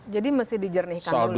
jadi mesti dijernihkan dulu